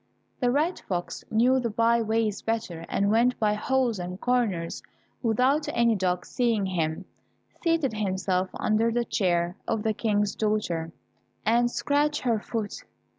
The red fox knew the bye ways better, and went by holes and corners without any dog seeing him, seated himself under the chair of the King's daughter, and scratched her foot.